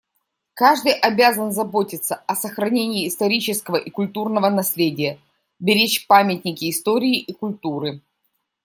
Каждый обязан заботиться о сохранении исторического и культурного наследия, беречь памятники истории и культуры.